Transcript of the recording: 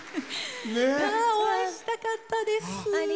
お会いしたかったです！